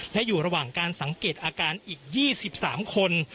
และอยู่ระหว่างการสังเกตอาการอีก๒๓คน